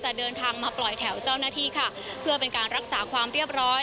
เดินทางมาปล่อยแถวเจ้าหน้าที่ค่ะเพื่อเป็นการรักษาความเรียบร้อย